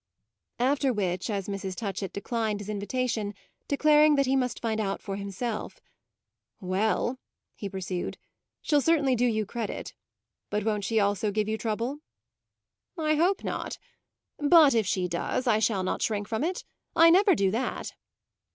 After which, as Mrs. Touchett declined his invitation, declaring that he must find out for himself, "Well," he pursued, "she'll certainly do you credit. But won't she also give you trouble?" "I hope not; but if she does I shall not shrink from it. I never do that."